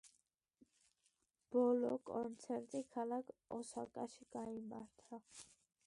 ბოლო კონცერტი ქალაქ ოსაკაში გაიმართა.